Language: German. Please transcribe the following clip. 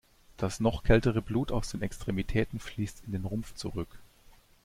Das noch kältere Blut aus den Extremitäten fließt in den Rumpf zurück.